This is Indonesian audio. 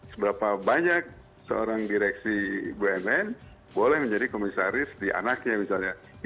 seberapa banyak seorang direksi bumn boleh menjadi komisaris di anaknya misalnya